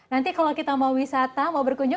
nanti kalau kita mau wisata mau berkunjung